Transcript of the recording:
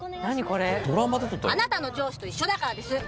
あなたの上司と一緒だからです！